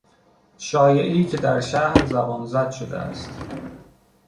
شایعهای که در شهر زبانزد شده است